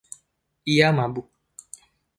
Ia mabuk.